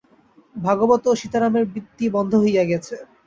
ভাগবত ও সীতারামের বৃত্তি বন্ধ হইয়া গেছে।